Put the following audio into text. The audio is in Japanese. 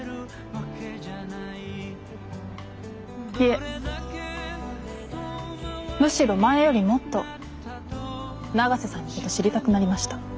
いえむしろ前よりもっと永瀬さんのことを知りたくなりました。